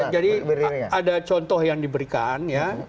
jadi ada contoh yang diberikan ya